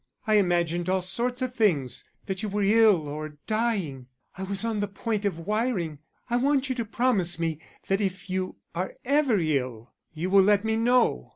I imagined all sorts of things that you were ill or dying. I was on the point of wiring. I want you to promise me that if you are ever ill, you will let me know.